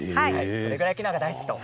それぐらいキヌアが大好きと。